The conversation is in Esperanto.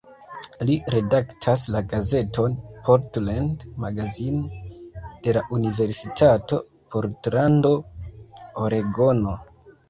Li redaktas la gazeton "Portland Magazine" de la Universitato Portlando, Oregono.